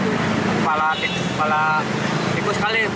kepala tikus kepala tikus kali